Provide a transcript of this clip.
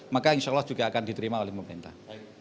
maka insyaallah juga akan diterima oleh pemerintah